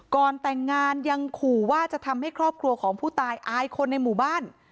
ก่อนแต่งงานยังขู่ว่าจะทำให้ครอบครัวของผู้ตายอายคนในหมู่บ้าน